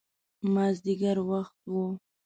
مازدیګر وخت و.